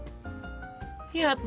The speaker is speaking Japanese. やった！